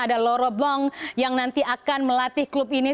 ada loro blanc yang nanti akan melatih klub ini